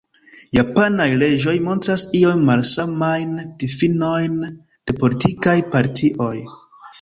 Japanaj leĝoj montras iom malsamajn difinojn de politikaj partioj.